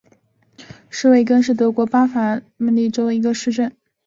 施魏根是德国巴伐利亚州的一个市镇。